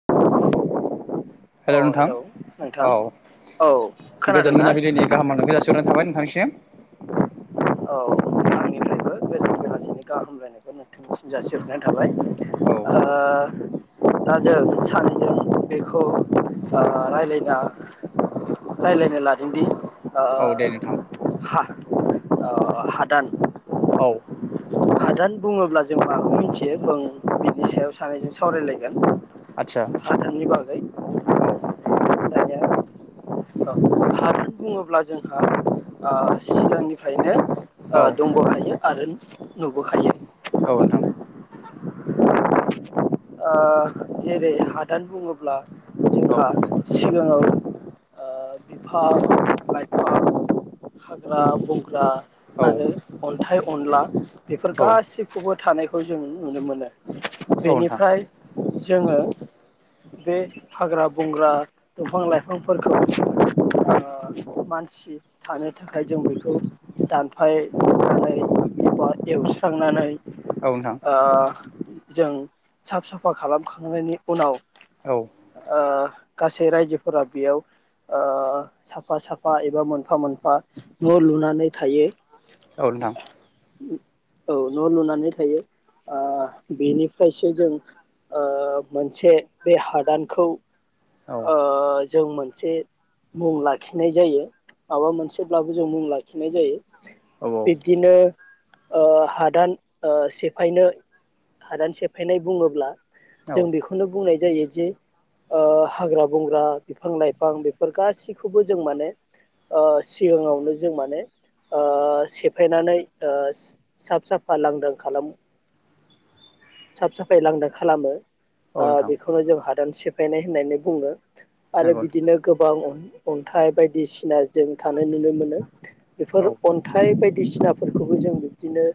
[inaudible] अ hello नोंथां hello नोंथां औ औ गोजोन खोनादोंना मोनाबिलिनि गाहाम मवनायखौ जासिहरनाय थाबाय नोंथांनिसि एम औ आंनिफ्रायबो गोजोन बेलासिनि गाहाम हामलायनायखौ नोंथांनिसिम जासिहरनाय थाबाय औ आ दा जों सानैजों बेखौ रायलायना रायलायनो लादोंदि आ औ दे नोंथां हा ओ हादान औ हादान बुङोब्ला जों माखौ मिथियो जों बिनि सायाव सानैजों आदसा सावरायलायगोन हादाननि बागै औ [unintelligible] [unintelligible] औ हादान बुंङोब्ला जोंहा सिगांनिफ्रायनो अ औ दंबोखायो आरो नुबोखायो औ नोंथां जेरै हादान बुंङोब्ला औ जोंहा सिगांङाव ओ‌ बिफां लाइफां हाग्रा बंग्रा औ आरो अन्थाय अनला बेफोर औ गाैखौबो थानायखौ जों नुनो मोनो औ नोंथां फ्राय जोंङो बे हाग्रा बंग्रा दंफां लाइफांफोरखौ मानसि थानो थाखाय जों बखौ दानफायनानै एबा एवस्रांनानै औ नोंथां ओ जों साफ साफा खालामखांनायनि उनाव औ ओ गासै रायजोफोरा बेयाव ओ साफा साफा एबा मोनफा मोनफा न लुनानै थायो औ नोंथां औ न लुनानै थायो ओ बेनि खायसो जों मोनसे बे हादानखौ औ ओ जों मोनसे मुं लाखिनाय जायो माबा मोनसेब्लाबो जों मुं लाखिनाय जायो औ बिदिनो ओ हादान सेफायनो हादान सेफायनाय बुंङोब्ला औ जों औ बेखौनो बुंनाय जायो जे ओ हाग्रा बंग्रा बिफां लाइफां बेफोर गाैखौबो जों माने सिगांङावनो जों माने ओ सेफायनानै ओ साफ साफा लांदां खालामो साफ साफाय लांदां खालामो औ नोंथां बेखौनो जों हादान सेफ फायनाय होननानै बुंङो आरो नंगौ बिदिनो गोबां अ अन्थाइ बायदिसिना जों थानो नुनो मोनो‌ नोंथां औ बेफोर अन्थाइ बायदि। फिसिनाफोरखौबो जों बिब्दिनो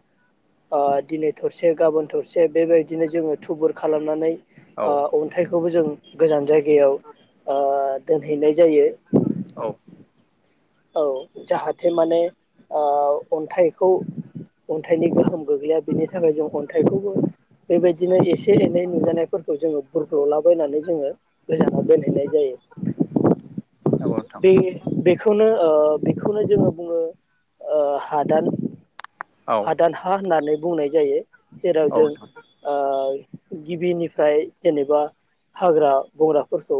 दिनै थरसे गाबोन थरसे एसे बेबायदिनो जोङो थुबुर खालामनानै औ अन्थाइखौबो जों गोजान जाय गायाव ओ दोनहैनाय जायो। औ औ जाहाथे माने अन्थाइखौ अन्थाइनि गोहोम गोग्लैया बेनि थाखाय जों अन्थाइखौबो बेबायदिनो एसे एनै नुजानायफोरखौ जोङो बुरग्ल'लाबायनानै जोङो गोजान दोनैनाय जायो। औ नोंथां बे बेखौनो बेखौनो जोङो बुङो हादान। औ हादान हा होननानै। बुंनाय जायो। जेराव औ जों नोंथां ओ गिबिनिफ्राय जेनेबा हाग्रा बंग्राफोरखौ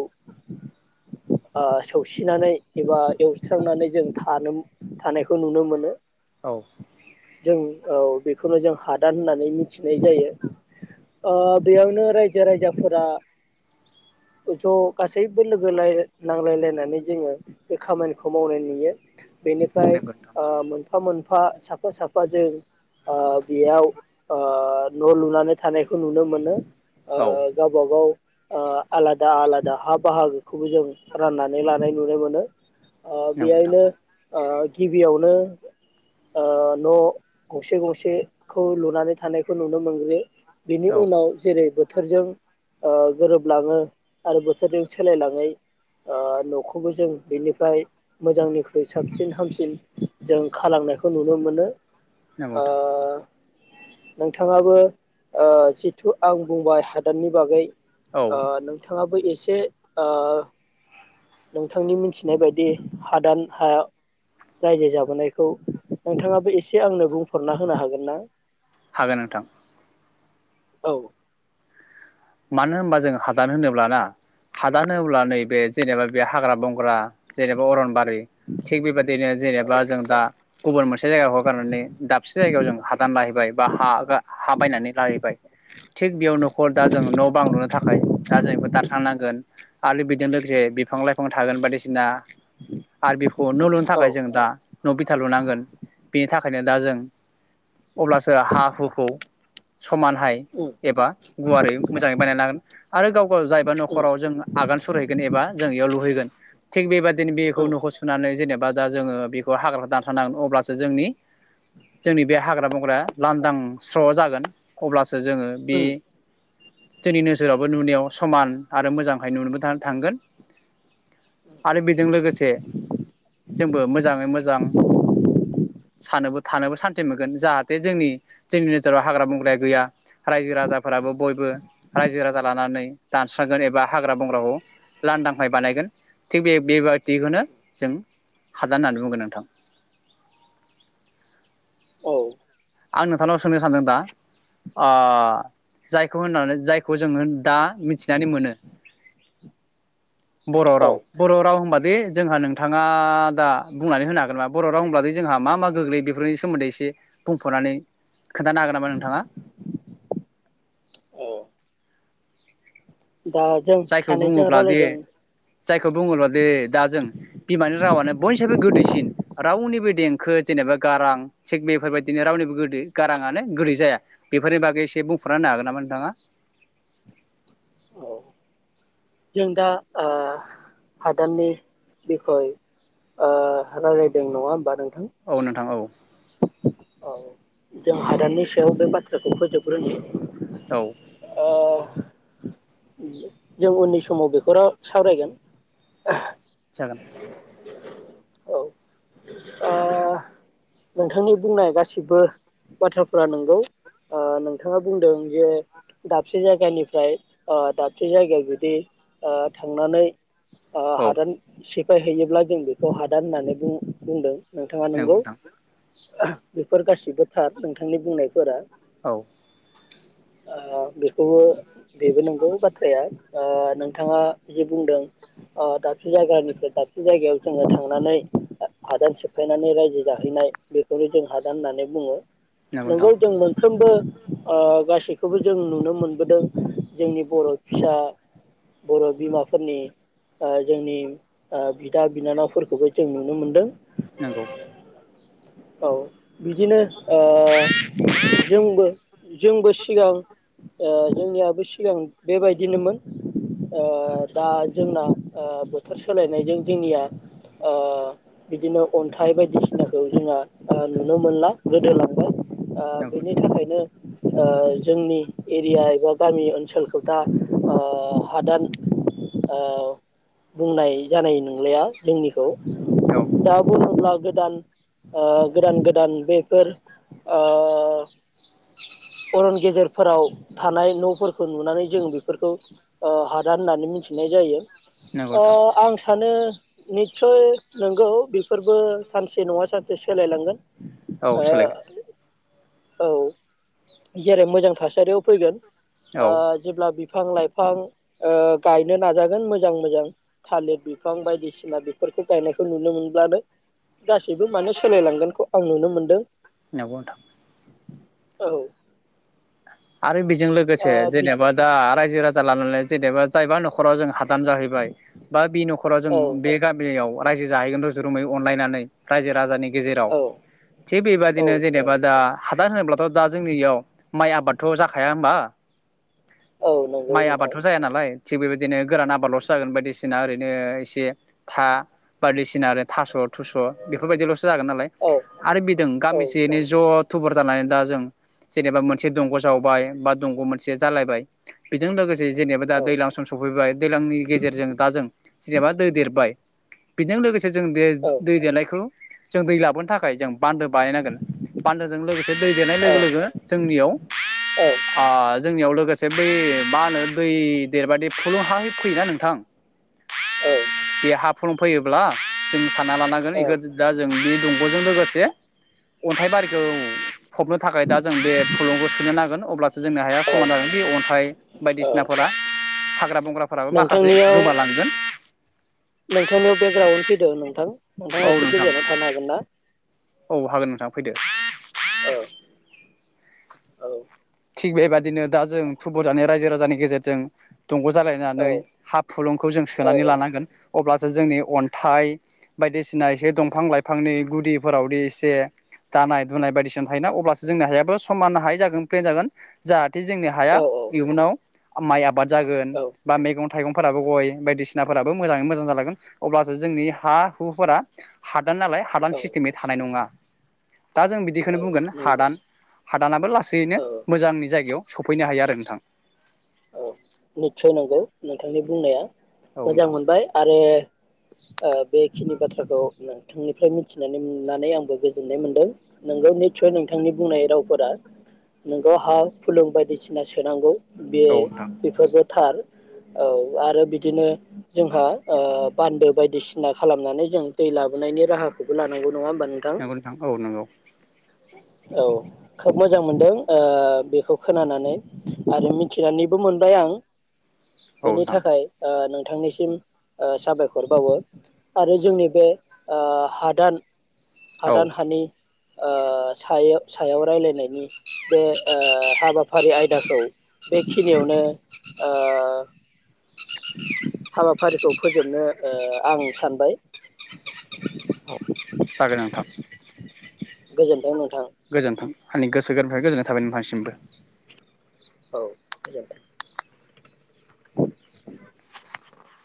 सौसिनानै एबा एवस्रांनानै जों थानो थानायखौ नुनो मोनो। औ औ बेखौनो जों हादान होननानै मिथिनाय जायो बेयावनो रायजो राजा फोरा ज' गासैबो लोगोय नांलायलायनानै जोङो बे खामानिखौ मावनाय नुयो बेनिफ्राय नंगौ नोंथां मोनफा मोन फा साफा साफा जों ओ बेयाव ओ न' लुनानै थानायखौ नुनो मोनो ओ औ गावबा गाव ओ आलादा आलादा हा बाहागोखौबो जों राननानै लानाय नुनो मोनो। ओ नंगौ नोंथां बेहायनो ओ- गिबियावनो ओ न'- गंसे गंसेखौ लुनानै थानायखौ नुनो मोनग्रो बेनि औ उनाव जेरै बोथोरजों ओ गोरोबलाङो आरो बोथोरजों सोलायलाङै न'खौबो जों बिनिफ्राय मोजांनिख्रुइ साबसिन हामसिन जों खालामांनायखौ नुनो मोनो। नांगौ ओ नोंथां नोंथाङाबो ओ जिथु आं बुंबाय हादाननि बागै औ ओ नोंथाङा बो एसे ओ नोंथांनि मिथिनाय बायदि दि हादान हा रायजो जाबोनायखौ नोंथाङाबो ए से आंनो बुंफोरना होनो हागोन ना? हागोन नोंथां। औ मानो होनबा जों हादान होनोब्लाना हादान होनोब्ला नैबे जेनेबा बे हाग्रा बंग्रा जेनेबा अरनबारि थिग बेबायदिनो औ जेनेबा जों दा गुबुन मोनसे जायगाखौ गारनानै दाबसे जायगायाव जों दानायबाय बा हाब बायनानै लाहैबाय थिग बेयाव न'खर दा जों न'बां लुनो थाखाय दा जों बेखौ दानस्रांनांगोन। आरो बिजों लोगोसे बिफां लाइफां थागोन बायदिसिना आरो बेखौ न' लुनो औ थाखाय जों दा न' बिथा लुनांगोन बेनि थाखायनो दा जों अब्लासो हा हुखौ समानहाय उम एबा गुवारै बानायना लागोन आरो गाव गाव जायबा उम न'खराव जों आगान सुरहैगोन एबा जों बेयाव लुहै गोन थिग बेबादि दिनै बेखौ उम न'खौ सुनानै जेने बा जोङो बेखौ हाग्राखौ दानथारनांगोन अब्लासो जोंनि जोंनि बे हाग्रा बंग्राया लांदां स्र' जागोन अब्लासो जोङो बे उम जोंनि नोजोरावबो नुनायाव समान आरो मोजांहाय नुनोबो था-थांगोन। आरो बेजों लोगोसे जोंबो मोजाङै मोजां सानोबो थानोबो सान्थि मोनगोन जाहाथे जोंनि जोंनि नोजोराव हाग्रा बंग्राया गैया रायजो राजाफोराबो बयबो रायजो राजा लानानै दानस्रांगोन एबा हाग्रा बंग्राखौ लांदांहाय बानायगोन थिग बे बेबायदिखौनो जों हाजा होननानै बुंगोन नोंथां। औ आं नोंथांनाव सोंनो सानदों दा ओ जायखौ होननानै जायखौ जोङो दा मिथिनानै मोनो बर' औ राव बर राव होनबा बे जोंहा नोंथाङा दा बुंनानै होनो हागोन नामा बर' राव होनबाथाय जोंहा मा मा गोग्लैयो बेफोरनि सोमोन्दै एसे बुंफोरनानै खोन्थानो हागोन नामा नोंथाङा? औ दा जों जायखौ सानैजों बुङोब्ला दे रायलायदों जायखौ बुङोब्ला दे दा जों बिमानि रावानो बयनिसायबो गोदैसिन रावनिबो देंखो जेनेबा गारां थिग बेफोरबायदिनो रावनिबो गोदै गाराङानो गोदै जाया बेफोरनि बागै एसे बुंफुरना होनो हागोन नामा नोंथाङा? औ जों दा ओ हादाननि बिखय ओ रायज्लायदों नङा होमबा नों औ नोंथां औ औ जों हादाननि सायाव बे बाथ्राखौ फोजोबग्रोनि औ ओ जों उननि समाव बेखौ सावरायगोन। जागोन औ ओ नोंथांनि बुंनाय गासिबो बाथ्राफोरा नंगौ ओ नोंथाङा बुंदों जे दाबसे जायगानिफ्राय ओ दाबसे जायगायाव बिदि ओ थांनानै ओ औ हादान से फायहैयोब्ला जों बे खौ हादान होननानै बुं बुंदों नोंथाङा नंगौ नोंगौ नोंथां बेफोर गासिबो थार नोंथांनि बुंनायफोरा। औ ओ बेखौबो बेबो नंगौ बाथ्राया। ओ नोंथाङा जि बुंदों ओ दाबसे जायगानिफ्राय दाबसे जायगायाव जोङो थांनानै हादान सिबफायनानै रायजो जाहैनाय बेखौनो जों हादान होननानै बुङो नंगौ नोंगौ नोंथां जों मोनफ्रोमबो ओ गासै खौबो जों नुनो मोनबोदों जोंनि बर फिसा बर बिमाफोरनि ओ जोंनि ओ बिदा बिनानावफोर खौबो जों नुनो मोनदों। नंगौ औ बिदिनो ओ जोंबो जोंबो सिगां ओ जोंनियाबो सिगां बेबायदियानोमोन। ओ दा जोंना ओ बोथोर सोलायनायजों जोंनिया ओ बिदिनो अन्थाइ बायदिसिनाखौ जोंहा ओ नुनो मोनला गोदोलांबाय। आ नंगौ बेनि नोंथां थाखायनो ओ जोंनि एरिया एबा गामि ओनसोलखौ दा आ हादान ओ बुंनाय जानाय नंलिया जोंनि खौ औ [unintelligible] गोदान आ गोदान गोदान बेफोर आ अरन गेजेरफोराव थानाय न'फोरखौ नुनानै जोङो बेफोरखौ ओ हादान होननानै मिथिनाय जायो। नंगौ अ नोंथां आं सानो निस्सय नंगौ बेफोरबो सानसे नङा सानसे सोलायलांगोन। औ ओ सोलायगोन। औ जेरै मोजां थासारियाव फैगोन। आ औ जेब्ला बे बिफां लाइफां ओ गायनो नाजागोन मोजां मोजां, थालिर बिफां बायदिसिना बेफोरखौ गायनायखौ नुनो मोनब्लानो गासैबो माने, सोलायलांगोनखौ आं नुनो मोनदों। नोंगौ नोंथां। औ [inaudible] आरो बेजों लोगोसे बि जेनेबा दा रायजो राजा लानानै जेनेबा जायबा न'खराव जों हा [unintelligible] जाहैबाय बा बि न'खराव जों औ बे गामियाव रायजो जाहैगोन र' जुरुमै अनलायनानै रायजो राजानि गेजेराव औ थिग औ बेबायदिनो नोंथां जेनेबा दा हादान होनोब्लाथ' दा जोंनियाव माइ आबाद हाया होमबा औ नंगौ माइ नोंथां आबादथ' जाया नालाय थिग बेबायदिनो गोरान आबादल'सो जागोन बायदिसिना ओरैनो एसे था बायदिसिना थास' थुस' बेफोरबायदिल'सो जागोन नालाय औ आरो बिदों औ गामिसेनै नंगौ ज'थुबर जानानै दा जों जेनेबा मोनसे दंग' जावबाय बा दंग' मोनसे जालायबाय बेजों लोगोसे जेनेबा दा औ दैलां सम सफैबाय दैलांनि गेजेरजों दा जों जेनेबा दै देरबाय बेजों लोगोसे जों औ दै देनायखौ जों दै लाबोनो थाखाय जों बान्दो बानायनांगोन बान्दोजों लोगोसे दै देरनाय औ लोगो लोगो जोंनियाव औ आ जोंनियाव लोगोसे बै मा होनो दै देरबादि फुलुं हा फैयोना नोंथां औ बेहा फुलुं फैयोब्ला जों साना लानांगोन बेखौ औ दा जों बे दंग' बेजों लोगोसे अन्थाइबारिखौ फबनो थाखाय दा जों बे फुलुंखौ नांगोन अब्ला जोंनि हाया समान जागोन बे अन्थाइ औ बायदिसिनाफोरा हाग्रा बंग्राफोराबो माखासे नोंथांनियाव गोमालांगोन नोंथांनियाव बेकग्राउन्ड फैदो नोंथां। औ नोंथाङा एसे नोंथां गोजानाव थानो हागोन ना? औ हागोन नोंथां फैदो। ओ औ थिग बेबायादिनो दा जों थुबुरजानाय रायजो राजानि गेजेरजों दंग' औ जालायनानै हा फुलुंखौ जों औ सोनानै लानांगोन अब्ला जों जोंनि अन्थाइ बायदिसिना एसे दंफां लाइफांनि गुदिफोरावदि एसे दानाय दुनाय बायदिसिना मोजां थायो ना अब्लासो जोंनि हायाबो समानहाय जागोन। जागोन जाहा बे जोंनि औ हाया इयुनाव आ माइ आबाद जागोन औ बा मैगं थाइगंफोराबो गय बायदिसिनाफोराबो मोजाङै मोजां जालांगोन अब्लासो जोंनि हा हुफोरा हादान नालाय हादान औ सिस्टेमै थानाय नङा। दा जों बिदिखौनो औ बुंगोन नंगौ हादान हादानाबो लासैनो औ मोजांनि जायगायाव सफैनो हायो आरो नोंथां। औ निस्सय नंगौ नोंथांनि बुंनाया। औ मोजां नोंथां मोनबाय आरो ओ बेखिनि बाथ्राखौ नोंथांनिफ्राय मिथिनानै मोननानै आंबो गोजोननाय मोनदों नोंगौ नितसय नोंथांनि बुंनाय रावफोरा नोंगौ हा फुलुं बायदिसिना सोनांगौ। बे औ नोंथां बेफोरबो थार। औ आरो बिदिनो जोंहा ओ बान्दो बायदिसिना खालामनानै जों दै लाबोनायनि राहाखौबो लानांगौ। नङा होमबा नोंथां? नंगौ औ नंगौ औ मोजां मोनदों ओ बेखौ खोनानानै आरो मि थिनानैबो मोनबाय आं। औ बेनि नोंथां थाखाय ओ नों बिथांनिसिम साबायखरबावो आरो जोंनि बे ओ हादान औ हादान हानि ओ सायाव सायाव राय्लायनायनि बे हाबाफारि आयदाखौ बेखिनियावनो ओ हाबाफारिखौ फोजोबनो ओ आं सानबाय आरो नोंथां। गोजोनथों नों गोजोन्थों। आंनि गोसो गोरबोनिफ्राय गोजोननाय थाबाय नोंथांसिमबो। औ गोजोन्थों।